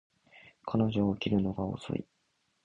彼女は起きるのが遅い